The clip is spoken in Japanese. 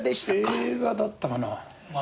映画だったかな。